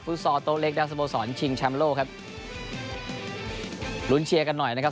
ซอลโต๊ะเล็กด้านสโมสรชิงแชมป์โลกครับลุ้นเชียร์กันหน่อยนะครับ